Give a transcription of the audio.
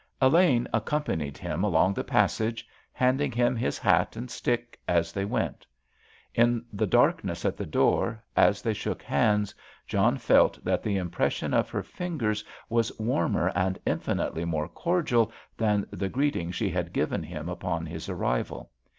Elaine accompanied him along the passage, handing him his hat and stick as they went. In the darkness at the door, as they shook hands, John felt that the impression of her fingers was warmer and infinitely more cordial that the greeting she had given him upon his arrival.